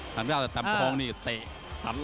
หลังจากศัตรูปรากฏองศัตรูศัตรูต้องเตะ